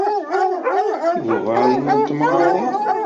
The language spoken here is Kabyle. Tibuɣarin n temɣarin.